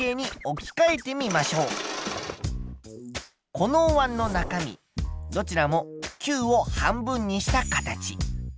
このおわんの中身どちらも球を半分にした形。